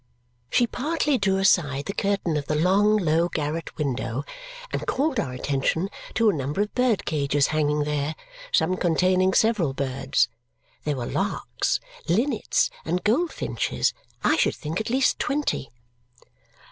She partly drew aside the curtain of the long, low garret window and called our attention to a number of bird cages hanging there, some containing several birds. There were larks, linnets, and goldfinches I should think at least twenty.